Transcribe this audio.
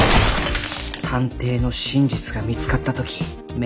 探偵の真実が見つかった時名